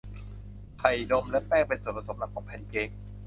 ไข่นมและแป้งเป็นส่วนผสมหลักของแพนเค้ก